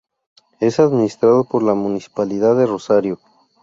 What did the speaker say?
Es administrado por la Municipalidad de Rosario.